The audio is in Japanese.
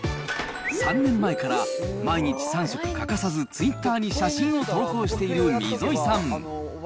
３年前から、毎日３食欠かさずツイッターに写真を投稿している溝井さん。